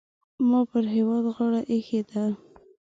ما پر هېواد غاړه اېښې ده.